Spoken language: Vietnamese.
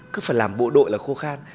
cứ phải làm bộ đội là khô khan